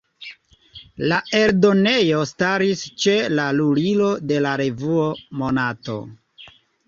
La eldonejo staris ĉe la lulilo de la revuo "Monato".